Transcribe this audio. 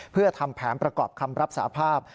เพื่อทำแผนประกอบคำรับสาภาพ